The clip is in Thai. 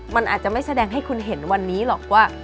มันอาจจะไม่แสดงให้คุณเห็นวันนี้หรอกว่า